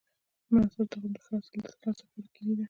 مناسب تخم د ښه حاصل د ترلاسه کولو کلي ده.